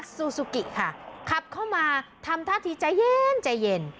ซูซูกิค่ะขับเข้ามาทำท่าทีใจเย็นใจเย็น